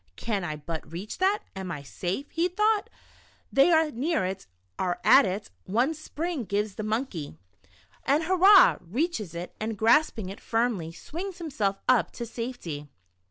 " Can I but reach that, I am safe," he thought. They are near it, are at it, — one spring gives the monkey. 144 Monkey Tricks in the Jungle. and, hurrah ! reaches it, and grasping it firmly swings himself up to safety.